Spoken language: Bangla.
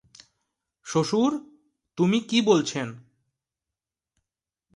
শ্বশুর, তুমি কি বলছেন?